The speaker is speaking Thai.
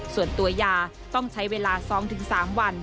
ตัวยาต้องใช้เวลา๒๓วัน